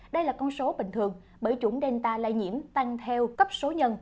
đây là con số bình thường bởi chủng delta lây nhiễm tăng theo cấp số nhân